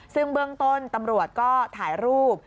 ซึ่งเบื้องต้นตำรวจก็ถ่ายรูป